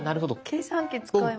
計算機使います。